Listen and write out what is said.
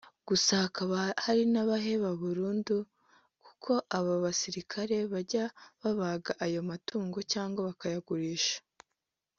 gusa hakaba n’abaheba burundu kuko aba basirikare bajya babaga ayo matungo cyangwa bakayagurisha